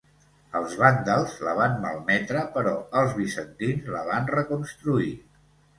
Els vàndals la van malmetre però els bizantins la van reconstruir.